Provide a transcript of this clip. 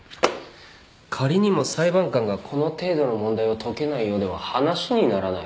仮にも裁判官がこの程度の問題を解けないようでは話にならない。